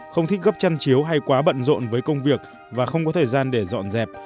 không thích gấp chăn chiếu hay quá bận rộn với công việc và không có thời gian để dọn dẹp